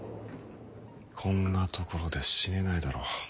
こんなところで死ねないだろ。